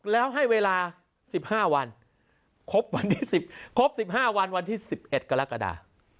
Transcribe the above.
แล้วให้เวลา๑๕วันครบ๑๕วันวันที่๑๑กรกฎา